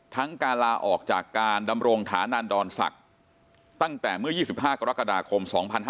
การลาออกจากการดำรงฐานันดอนศักดิ์ตั้งแต่เมื่อ๒๕กรกฎาคม๒๕๕๙